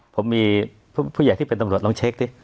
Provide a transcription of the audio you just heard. ผมมีผู้ใหญ่ที่เป็นตำรวจลองเช็คสิ